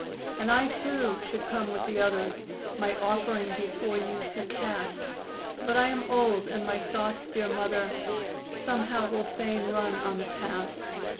And, I too, should come with the others, My offering before you to cast; But I am old, and my thoughts, dear mother, Somehow will fain run on the past.